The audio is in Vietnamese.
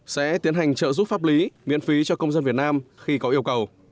sẽ tiến hành trợ giúp pháp lý miễn phí cho công dân việt nam khi có yêu cầu